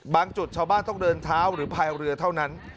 จุดชาวบ้านต้องเดินเท้าหรือพายเรือเท่านั้น